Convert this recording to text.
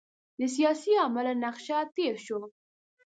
د سیاسي عامل له نقشه تېر شو.